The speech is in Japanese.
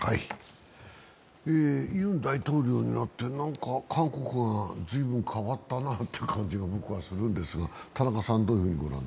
ユン大統領になって韓国が随分変わったなという感じがするんですけれども。